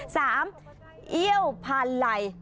สามเอี่ยวผ่านไหล่